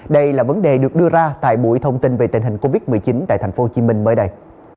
đây là vấn đề được đưa ra tại buổi thông tin về tình hình covid một mươi chín tại tp hcm mới đây